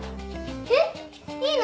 えっいいの？